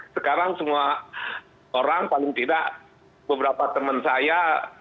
sekarang semua orang paling tidak beberapa teman saya